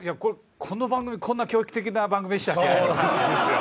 この番組、こんな教育的な番組でしたっけ？